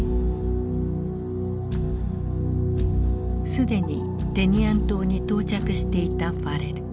既にテニアン島に到着していたファレル。